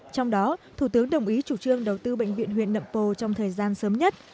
trong đó thủ tướng đồng ý chủ trương đầu tư bệnh viện huyện nậm pồ trong thời gian sớm nhất